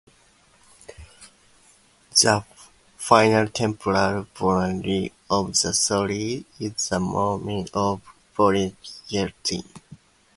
The final temporal boundary of the story is the mention of Boris Yeltsin.